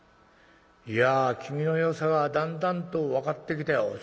いや君のよさがだんだんと分かってきたよ」。